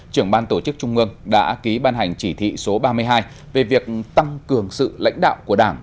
trưởng ban tổ chức trung ương đã ký ban hành chỉ thị số ba mươi hai về việc tăng cường sự lãnh đạo của đảng